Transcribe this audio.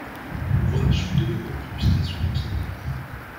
L’ouvrage fut de nouveau illustré sous les Qing.